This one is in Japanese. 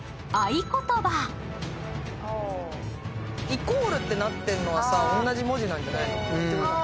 イコールってなってるのは同じ文字なんじゃないの？